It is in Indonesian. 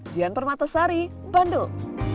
dian permatasari bandung